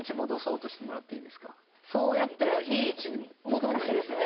そうやってもいい位置に戻んないんですよ。